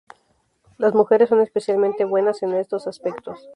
Las mujeres son especialmente buenas en estos aspectos.